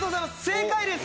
正解です。